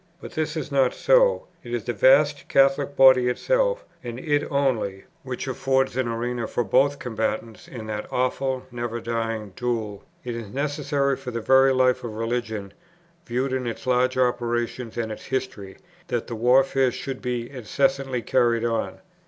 But this is not so; it is the vast Catholic body itself, and it only, which affords an arena for both combatants in that awful, never dying duel. It is necessary for the very life of religion, viewed in its large operations and its history, that the warfare should be incessantly carried on.